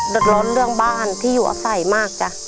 เดือดร้อนเรื่องบ้านที่อยู่อาศัยมากจ้ะ